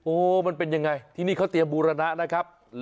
มันเป็นยังไงที่นี่เขาเตรียมบูรณะนะครับ